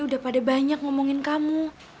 udah pada banyak ngomongin kamu